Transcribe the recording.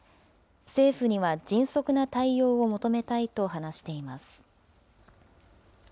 政府には迅速な対応を求めたいと話しています。